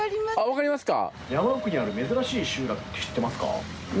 わかりますか？